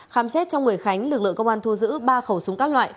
khám xét trong người khánh lực lượng công an thu giữ ba khẩu súng các loại